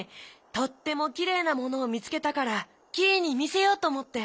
とってもきれいなものをみつけたからキイにみせようとおもって。